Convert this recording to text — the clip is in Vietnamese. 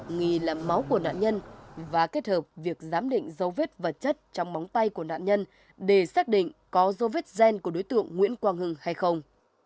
nghi là máu của nạn nhân và kết hợp việc giám định dấu vết vật chất trong móng tay của nạn nhân để xác định có dấu vết gen của đối tượng nguyễn quang hưng hay không